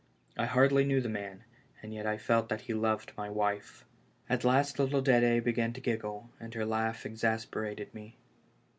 I hardly knew the man, and yet I felt that he loved my wife. At last little Dedc began to giggle, and her laugh exasperated me.